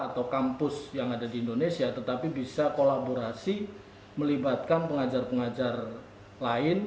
atau kampus yang ada di indonesia tetapi bisa kolaborasi melibatkan pengajar pengajar lain